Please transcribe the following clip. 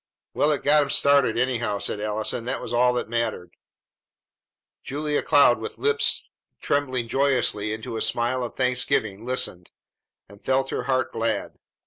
"Well, it got 'em started, anyhow," said Allison. "That was all that mattered." Julia Cloud with lips trembling joyously into a smile of thanksgiving listened, and felt her heart glad.